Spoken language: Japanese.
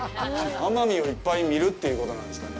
奄美をいっぱい見るということなんですかね。